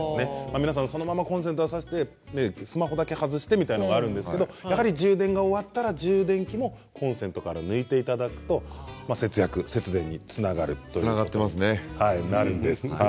皆さん、そのままコンセントに差していてスマホだけ外してとあるんですがやはり充電が終わったら充電器をコンセントから抜いていただくと節約、節電につながるということです。